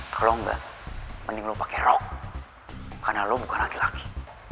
kalo enggak mending lo pake rok karena lo bukan laki laki